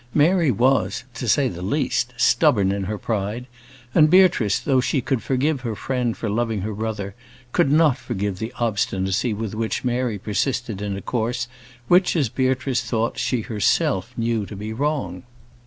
Mary was, to say the least, stubborn in her pride; and Beatrice, though she could forgive her friend for loving her brother, could not forgive the obstinacy with which Mary persisted in a course which, as Beatrice thought, she herself knew to be wrong.